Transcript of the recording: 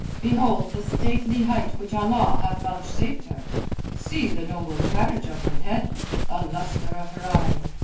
Behold the stately height which Allah hath vouchsafed her. See the noble carriage of her head, the lustre of her eye!